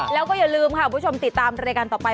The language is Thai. แล้วก็อย่าลืมค่ะคุณผู้ชมติดตามรายการต่อไป